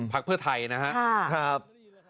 พักเพื่อไทยนะครับ